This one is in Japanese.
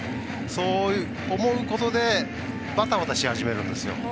そう思うことでバタバタし始めるんですよ。